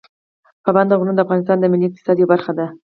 پابندي غرونه د افغانستان د ملي اقتصاد یوه برخه ده.